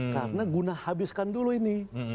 karena guna habiskan dulu ini